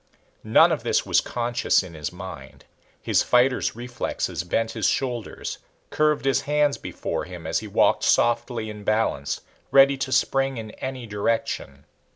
None of this was conscious in his mind. His fighter's reflexes bent his shoulders, curved his hands before him as he walked softly in balance, ready to spring in any direction.